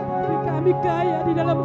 tapi kami kaya di dalam